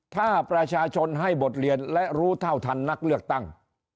ถ้าประชาชนให้บทเรียนและรู้เท่าทันนักเลือกตั้ง